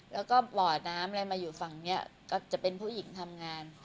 แล้วก็บ่อน้ำอะไรมาอยู่ฝั่งนี้ก็จะเป็นผู้หญิงทำงาน